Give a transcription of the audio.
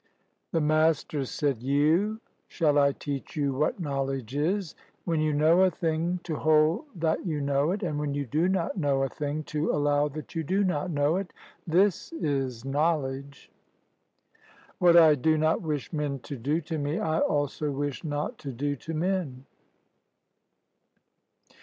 The Master said: "Yew, shall I teach you what knowledge is? When you know a thing, to hold that you know it, and when you do not know a thing, to allow that you do not know it — this is knowledge." What I do not wish men to do to me I also wish not to do to men.